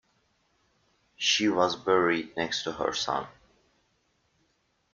She was buried next to her son.